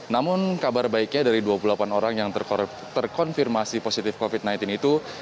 namun kabar baiknya dari dua puluh delapan orang yang terkonfirmasi positif covid sembilan belas itu